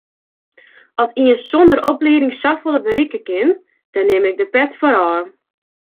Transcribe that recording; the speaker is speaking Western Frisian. At ien sonder oplieding safolle berikke kin, dêr nim ik de pet foar ôf.